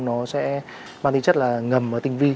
nó sẽ mang tính chất là ngầm và tinh vi